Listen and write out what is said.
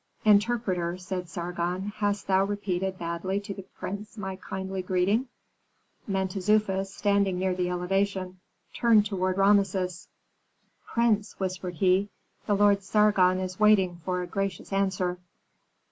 "Interpreter," said Sargon, "hast thou repeated badly to the prince my kindly greeting?" Mentezufis, standing near the elevation, turned toward Rameses. "Prince," whispered he, "the Lord Sargon is waiting for a gracious answer."